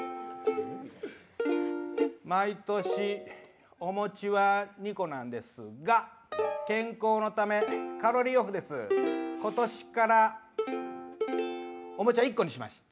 毎年、お餅は２個なんですが健康のため、カロリーオフです今年からお餅は１個にしました。